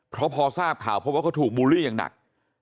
เพราะพอทราบข่าวเพราะว่าเขาถูกบูลลี่อย่างหนัก